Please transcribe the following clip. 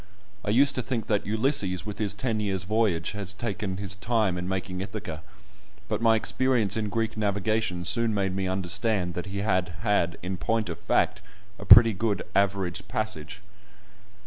I used to think that Ulysses with his ten years' voyage had taken his time in making Ithaca, but my experience in Greek navigation soon made me understand that he had had, in point of fact, a pretty good "average passage."